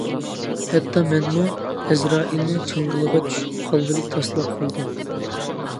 ھەتتا مەنمۇ ئەزرائىلنىڭ چاڭگىلىغا چۈشۈپ قالغىلى تاسلا قالدىم.